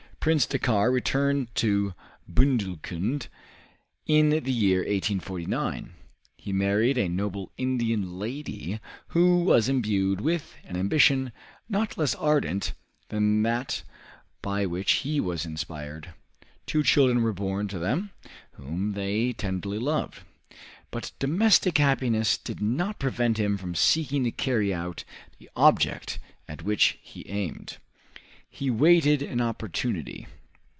Prince Dakkar returned to Bundelkund in the year 1849. He married a noble Indian lady, who was imbued with an ambition not less ardent than that by which he was inspired. Two children were born to them, whom they tenderly loved. But domestic happiness did not prevent him from seeking to carry out the object at which he aimed. He waited an opportunity.